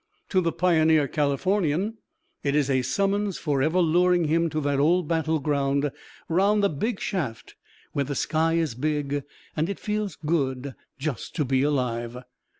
To the pioneer Californian, it is a summons forever luring him to that old battle ground round the big shaft where the sky is big and it feels good just to be alive.